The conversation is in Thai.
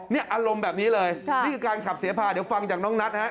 นี่อารมณ์แบบนี้เลยนี่คือการขับเสพาเดี๋ยวฟังจากน้องนัทฮะ